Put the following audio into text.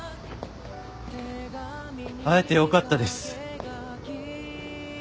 会えてよかったです。